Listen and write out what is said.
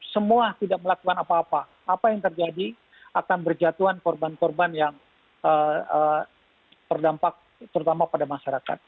semua tidak melakukan apa apa apa yang terjadi akan berjatuhan korban korban yang terdampak terutama pada masyarakat